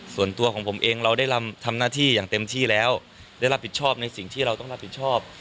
ส่วนตัวของผมเองเราได้ทำหน้าที่อย่างเต็มที่แล้วได้รับผิดชอบในสิ่งที่เราต้องรับผิดชอบ